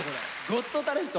ゴットタレント。